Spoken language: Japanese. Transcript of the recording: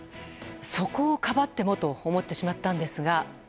そこをかばってもと思ってしまったんですが。